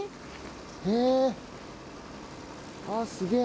へえ。